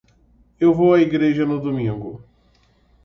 Eu vou à igreja no domingo.